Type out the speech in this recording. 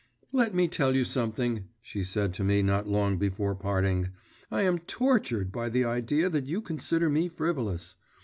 'Let me tell you something,' she said to me not long before parting; 'I am tortured by the idea that you consider me frivolous.